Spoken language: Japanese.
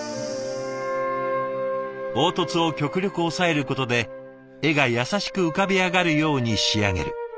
凹凸を極力抑えることで絵が優しく浮かび上がるように仕上げる。